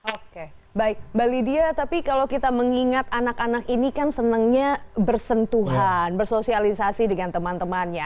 oke baik mbak lydia tapi kalau kita mengingat anak anak ini kan senangnya bersentuhan bersosialisasi dengan teman temannya